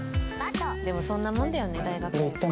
でもそんなものだよね大学生って。